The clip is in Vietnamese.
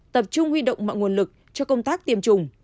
tập trung huy động mọi nguồn lực cho công tác tiêm chủng